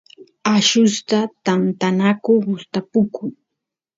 allusta tantanaku gustapukun